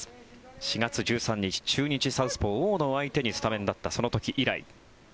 ４月１３日中日サウスポー、大野を相手にスタメンだったその時以来。